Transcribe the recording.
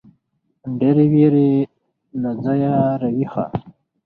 ډېـرې وېـرې له ځايـه راويـښه.